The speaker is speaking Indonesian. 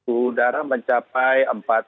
udara mencapai empat puluh tiga